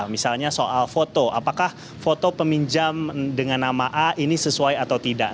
misalnya soal foto apakah foto peminjam dengan nama a ini sesuai atau tidak